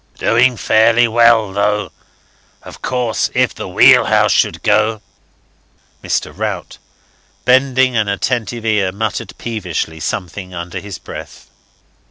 "Doing fairly well though. Of course, if the wheelhouse should go. ..." Mr. Rout, bending an attentive ear, muttered peevishly something under his breath.